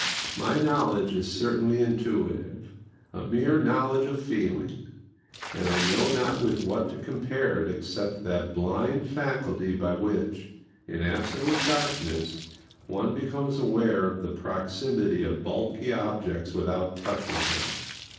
My knowledge is certainly intuitive—a mere knowledge of feeling; and I know not with what to compare it except that blind faculty by which, in absolute darkness, one becomes aware of the proximity of bulky objects without touching them.